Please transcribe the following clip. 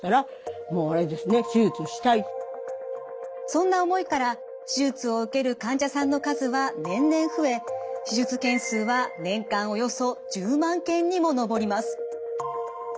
そんな思いから手術を受ける患者さんの数は年々増えにも上ります。